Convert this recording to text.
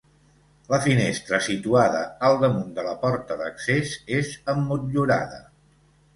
La finestra situada al damunt de la porta d'accés és emmotllurada.